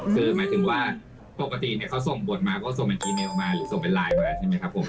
คือหมายถึงว่าปกติเขาส่งบทมาก็ส่งเป็นอีเมลมาหรือส่งเป็นไลน์ไว้แล้วใช่ไหมครับผม